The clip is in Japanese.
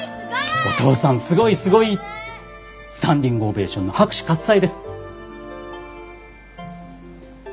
お父さんすごいすごいってスタンディングオベーションの拍手喝采です。